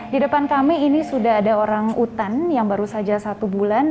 di depan kami ini sudah ada orang utan yang baru saja satu bulan